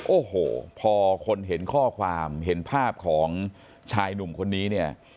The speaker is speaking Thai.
โอ้โหพอคนเห็นข้อความเห็นภาพของชายหนุ่มคนนี้เนี่ย